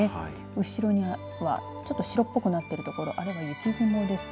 後ろには、ちょっと白っぽくなっている所あれは雪雲ですね。